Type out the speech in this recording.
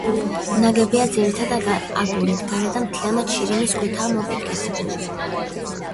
ნაგებია ძირითადად აგურით, გარედან მთლიანად შირიმის ქვითაა მოპირკეთებული.